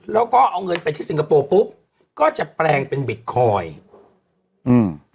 แล้วก็เอาเงินไปที่สิงคโปร์ปุ๊บก็จะแปลงเป็นบิตคอยน์อืม